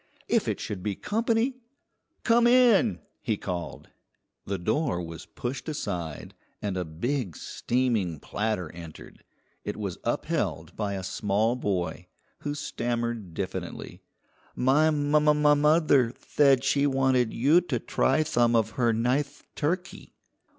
If it should be company! "Come in!" he called. The door was pushed aside and a big, steaming platter entered. It was upheld by a small boy, who stammered diffidently, "My moth moth mother thaid she wanted you to try thum of her nith turkey."